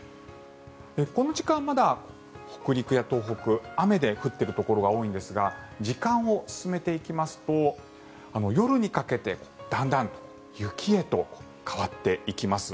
この時間、まだ北陸や東北雨で降っているところが多いんですが時間を進めていきますと夜にかけてだんだんと雪へと変わっていきます。